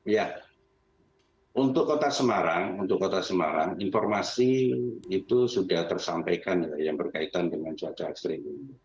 ya untuk kota semarang informasi itu sudah tersampaikan yang berkaitan dengan cuaca ekstrim